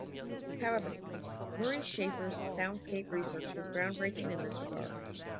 However, Murray Schafer's soundscape research was groundbreaking in this regard.